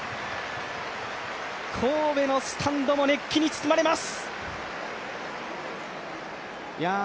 神戸のスタンドも熱気に包まれます。